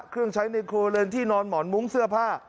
เครื่องใช้ในครัวเรือนที่นอนหมอนมุ้งเสื้อผ้า